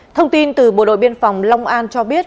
thông tin từ bộ đội biên phòng long an cho biết